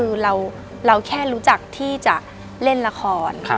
ว่าเราแค่รู้จักที่จะเล่นลักษณ์